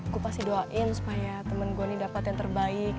aku pasti doain supaya temen gue nih dapat yang terbaik